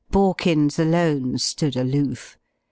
Borkins alone stood aloof.